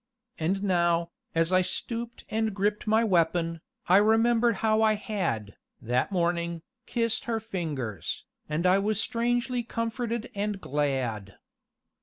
And now, as I stooped and gripped my weapon, I remembered how I had, that morning, kissed her fingers, and I was strangely comforted and glad.